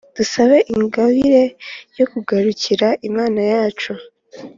dusabe ingabire yo kugarukira imana yacu